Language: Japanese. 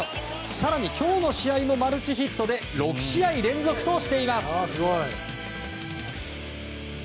更に今日の試合もマルチヒットで６試合連続としています。